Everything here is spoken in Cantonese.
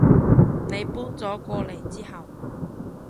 你搬咗過嚟之後